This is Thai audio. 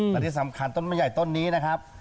และที่สำคัญต้นไม้ใหญ่ต้นนี้นะครับ